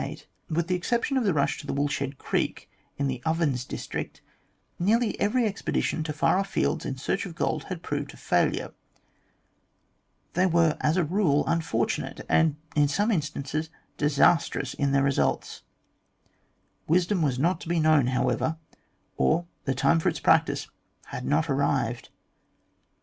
With the exception of the rush to the Woolshed Creek, in the Ovens district, nearly every expedition to far off fields in search of gold had proved a failure. They were as a rule unfortunate, and in some instances disastrous in their results. Wisdom was not to be known however, or the time for its practice had not arrived.